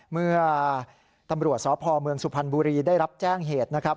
เมื่อตำรวจสพเมืองสุพรรณบุรีได้รับแจ้งเหตุนะครับ